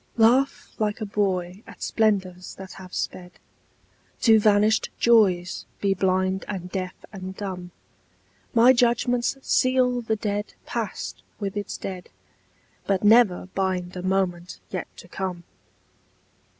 Laugh like a boy at splendors that have sped, To vanished joys be blind and deaf and dumb; My judgments seal the dead past with its dead, But never bind a moment yet to come.